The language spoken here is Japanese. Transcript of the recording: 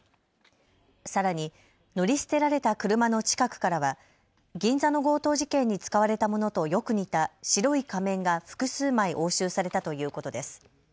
さらに乗り捨てられた車の近くからは銀座の強盗事件に使われたものとよく似た白い仮面が複数枚押収されたということです。